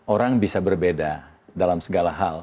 orang bisa berbeda dalam segala hal